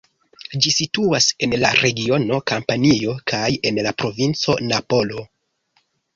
Ĝi situas en la regiono Kampanio kaj en la provinco Napolo.